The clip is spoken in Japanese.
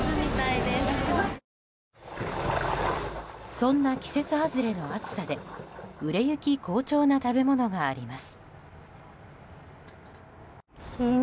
そんな季節外れの暑さで売れ行き好調な食べ物があります。